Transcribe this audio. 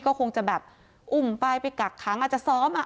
ก็คงจะแบบอุ้มไปไปกักขังอาจจะซ้อมอ่ะ